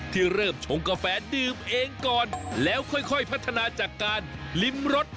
ที่เริ่มชงกาแฟดื่มเองก่อนแล้วค่อยพัฒนาจากการริมรส